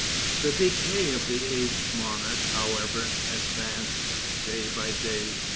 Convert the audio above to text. The decay of the aged monarch, however, advanced, day by day.